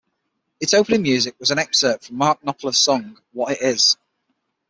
Its opening music was an excerpt from Mark Knopfler's song What It Is.